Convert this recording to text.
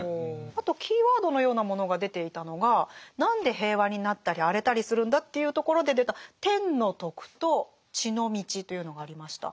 あとキーワードのようなものが出ていたのが何で平和になったり荒れたりするんだというところで出た「天の徳」と「地の道」というのがありました。